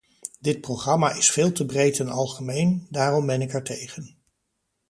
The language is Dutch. Dit programma is veel te breed en algemeen, daarom ben ik ertegen.